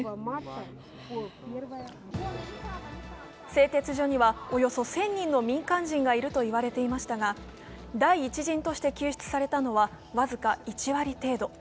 製鉄所にはおよそ１０００人の民間人がいると言われていましたが第１陣として救出されたのは、僅か１割程度。